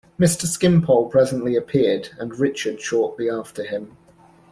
Mr. Skimpole presently appeared, and Richard shortly after him.